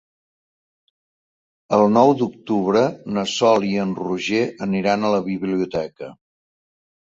El nou d'octubre na Sol i en Roger aniran a la biblioteca.